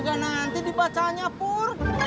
nanti nanti dipacanya pur